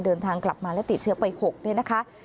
เดินทางกลับมาและติดเชื้อไป๖เนี่ยนะคะ